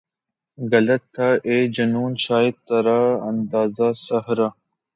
غلط تھا اے جنوں شاید ترا اندازۂ صحرا